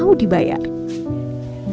rorsi dari adanya proses perang